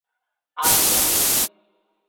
Asengu.